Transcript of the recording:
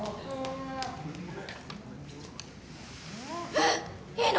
えっいいの？